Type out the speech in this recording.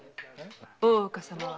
大岡様は。